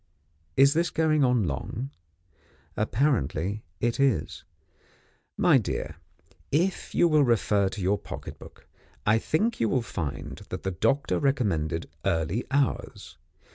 Is this going on long? Apparently it is. My dear, if you will refer to your pocket book, I think you will find that the doctor recommended early hours.